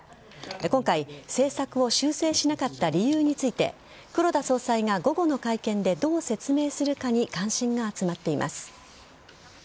今回、政策を修正しなかった理由について黒田総裁が午後の会見でどう説明するかに関心が集まっています。